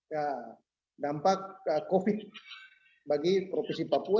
tidak bisa menimbulkan dampak covid sembilan belas bagi provinsi papua